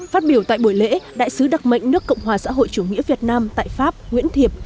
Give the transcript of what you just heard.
phát biểu tại buổi lễ đại sứ đặc mệnh nước cộng hòa xã hội chủ nghĩa việt nam tại pháp nguyễn thiệp